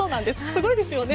すごいですよね。